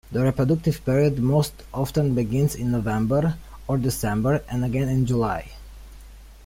The reproductive period most often begins in November or December, and again in July.